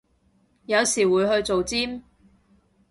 有時會去做尖